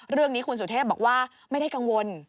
เรื่องนี้คุณสุเทพบอกว่าไม่ได้กังวล